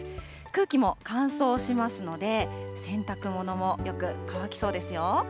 空気も乾燥しますので、洗濯物もよく乾きそうですよ。